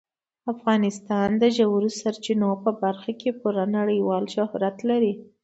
افغانستان د ژورو سرچینو په برخه کې پوره نړیوال شهرت لري.